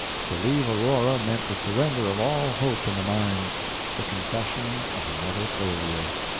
To leave Aurora meant the surrender of all hope in the mines, the confession of another failure.